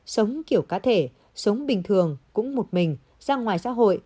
sống kiểu cá thể sống bình thường cũng một mình ra ngoài xã hội